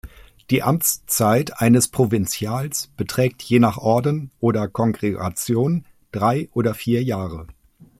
Die Amtszeit eines Provinzials beträgt je nach Orden oder Kongregation drei oder vier Jahre.